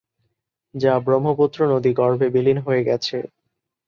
যা ব্রহ্মপুত্র নদী গর্ভে বিলীন হয়ে গেছে।